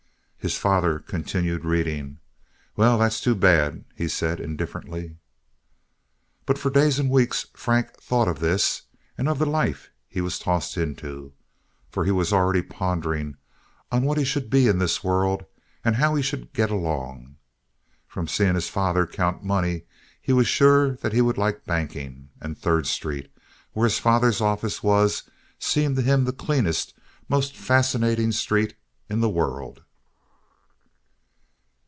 His father continued reading. "Well, that's too bad," he said, indifferently. But for days and weeks Frank thought of this and of the life he was tossed into, for he was already pondering on what he should be in this world, and how he should get along. From seeing his father count money, he was sure that he would like banking; and Third Street, where his father's office was, seemed to him the cleanest, most fascinating street in the world.